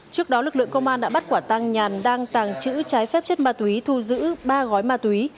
trước đó lực lượng công an đã bắt quả tăng nhàn đang tàng trữ trái phép chất ma túy thu giữ ba gói ma túy